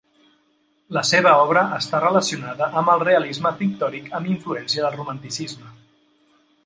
La seva obra està relacionada amb el realisme pictòric amb influència del romanticisme.